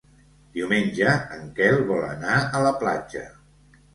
Diumenge en Quel vol anar a la platja.